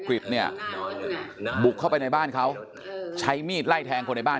กริจเนี่ยบุกเข้าไปในบ้านเขาใช้มีดไล่แทงคนในบ้าน